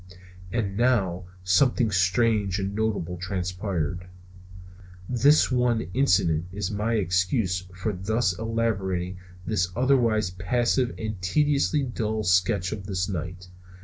And now something strange and notable transpired. This one incident is my excuse for thus elaborating this otherwise passive and tediously dull sketch of this night.